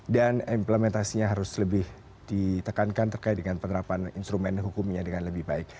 dan implementasinya harus lebih ditekankan terkait dengan penerapan instrumen hukumnya dengan lebih baik